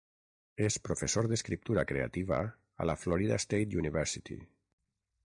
És professor d'escriptura creativa a la Florida State University.